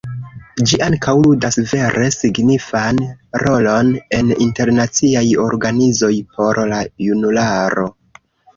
Ĝi ankaŭ ludas vere signifan rolon en internaciaj organizoj por la junularo.